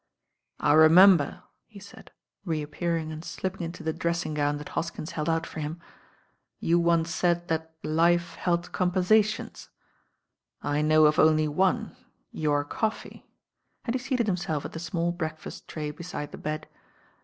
^ I remember," he said, reappearing and slipping into the dressing gown that Hoskins held out for him, "you once said that life held compensations. I know of only one, your coffee," and he seated him self at the small breakfast tray beside the bed.